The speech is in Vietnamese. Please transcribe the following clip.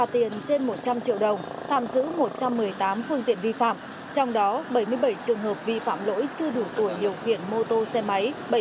từ đầu năm đến nay trường hợp vi phạm lỗi chưa đủ tuổi điều khiển mô tô xe máy